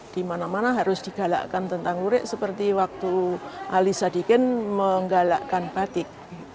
di mana mana harus digalakkan tentang lurik seperti waktu alisa dikin menggalakkan batik